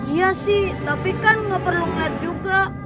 iya sih tapi kan gak perlu ngeliat juga